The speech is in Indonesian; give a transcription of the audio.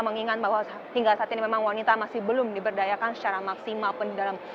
mengingat bahwa hingga saat ini memang wanita masih belum diberdayakan secara maksimal